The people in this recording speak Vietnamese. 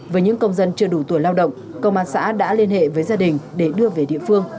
với những công dân chưa đủ tuổi lao động công an xã đã liên hệ với gia đình để đưa về địa phương